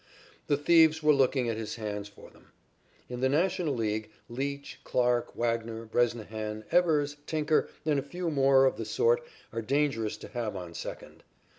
The thieves were looking at his hands for them. In the National League, Leach, Clarke, Wagner, Bresnahan, Evers, Tinker and a few more of the sort are dangerous to have on second.